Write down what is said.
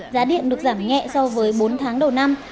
giá điện được giảm nhẹ so với bốn tháng đầu năm